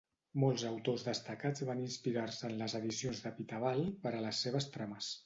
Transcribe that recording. Molts autors destacats van inspirar-se en les edicions de Pitaval per a les seves trames.